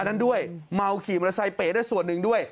นั้นด้วยเมาขี่มอเตอร์ไซค์เป๋ได้ส่วนหนึ่งด้วย